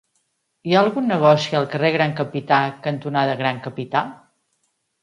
Hi ha algun negoci al carrer Gran Capità cantonada Gran Capità?